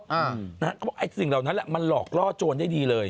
เขาบอกไอ้สิ่งเหล่านั้นแหละมันหลอกล่อโจรได้ดีเลย